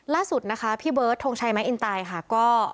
ล่าสุดนะคะพี่เบิร์ดทงชัยแมคอินตายค่ะก็